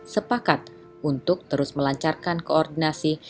sepakat untuk terus melancarkan koordinasi